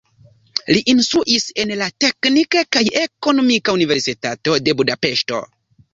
Li instruis en la Teknika kaj Ekonomika Universitato de Budapeŝto.